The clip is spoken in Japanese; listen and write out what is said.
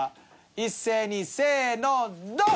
一斉にせのドン！